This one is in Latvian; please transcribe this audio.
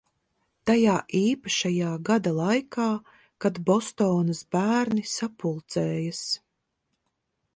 Tajā īpašajā gada laikā, kad Bostonas bērni sapulcējas.